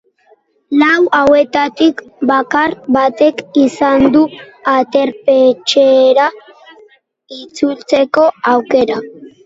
Lau hauetatik bakar batek izango du aterpetxera itzultzeko aukera.